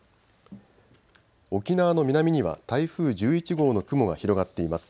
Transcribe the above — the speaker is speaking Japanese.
沖縄の南には台風１１号の雲が広がっています。